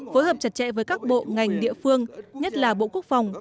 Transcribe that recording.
phối hợp chặt chẽ với các bộ ngành địa phương nhất là bộ quốc phòng